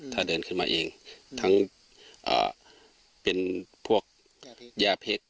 ถ้าเดินขึ้นมาเองทั้งเป็นพวกย่าเพชร